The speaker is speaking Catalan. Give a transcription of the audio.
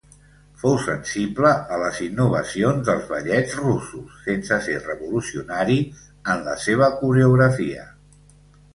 Fou sensible a les innovacions dels ballets russos, sense ser revolucionari en la seva coreografia.